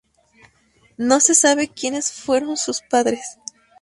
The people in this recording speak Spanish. No se sabe quienes fueron sus padres.